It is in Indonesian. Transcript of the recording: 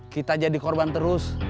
kita jadi korban terus